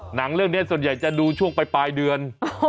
หนังเรื่องนี้ส่วนใหญ่จะดูช่วงปลายเดือน